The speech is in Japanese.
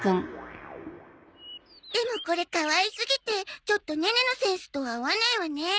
でもこれかわいすぎてちょっとネネのセンスとは合わないわね。